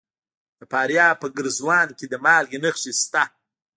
د فاریاب په ګرزوان کې د مالګې نښې شته.